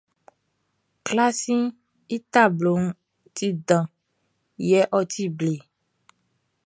Klasiʼn i tabloʼn ti dan yɛ ɔ ti ble.